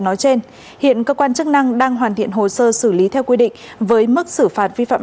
nói trên hiện cơ quan chức năng đang hoàn thiện hồ sơ xử lý theo quy định với mức xử phạt vi phạm